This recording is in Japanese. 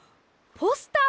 ポスター？